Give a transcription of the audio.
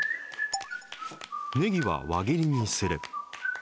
ねぎは輪切りにする。